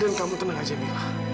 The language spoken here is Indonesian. dan kamu tenang aja mila